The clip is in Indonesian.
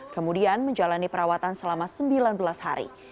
kemudian menjalani perawatan selama sembilan belas hari